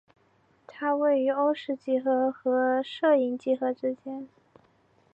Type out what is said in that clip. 它位于欧氏几何和射影几何之间。